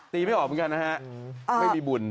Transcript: ไม่ออกเหมือนกันนะฮะไม่มีบุญ